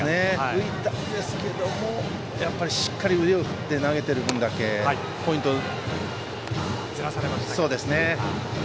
浮いたんですけどもやっぱりしっかりと腕を振って投げている分だけポイントずらされましたね。